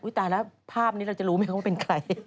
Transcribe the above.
อุ๊ยตายล่ะภาพนี้เราจะรู้มั้ยเขาว่าเป็นใคร